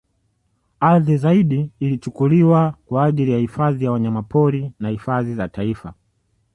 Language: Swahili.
Ardhi zaidi ilichukuliwa kwa ajili ya hifadhi ya wanyamapori na hifadhi za taifa